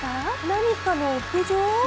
何かの屋上？